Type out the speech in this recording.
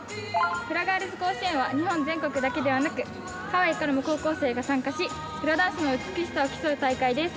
フラガール甲子園は日本全国からだけでなく、ハワイからも参加がありフランダンスの美しさを競う大会です。